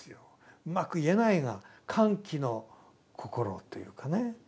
うまく言えないが歓喜のこころというかね。